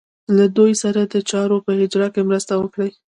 له دوی سره د چارو په اجرا کې مرسته وکړي.